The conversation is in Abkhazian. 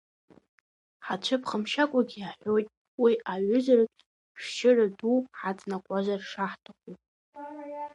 Ҳацәыԥхамшьакәагьы иаҳҳәоит, уи аиҩызартә шәшьыра ду ҳаҵанакуазар шаҳҭаху.